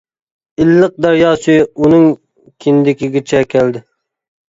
ئىللىق دەريا سۈيى ئۇنىڭ كىندىكىگىچە كەلدى.